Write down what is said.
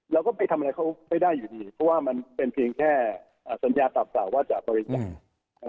เราก็ไปทำอะไรเขาไม่ได้อยู่ดีเพราะว่ามันเป็นเพียงแค่สัญญากับกล่าวว่าจะบริจาค